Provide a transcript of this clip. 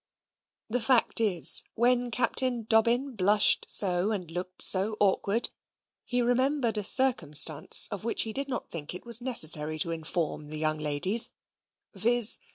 The fact is, when Captain Dobbin blushed so, and looked so awkward, he remembered a circumstance of which he did not think it was necessary to inform the young ladies, viz.